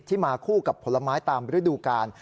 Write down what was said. มาคู่กับผลไม้ตามฤดูกาล